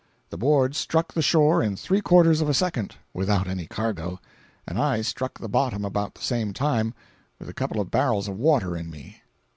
—The board struck the shore in three quarters of a second, without any cargo, and I struck the bottom about the same time, with a couple of barrels of water in me.